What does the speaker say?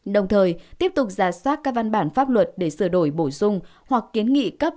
đồng thời tiếp tục giả soát các văn bản pháp luật để sửa đổi bổ sung hoặc kiến nghị cấp